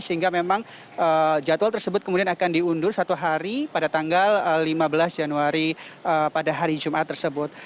sehingga memang jadwal tersebut kemudian akan diundur satu hari pada tanggal lima belas januari pada hari jumat tersebut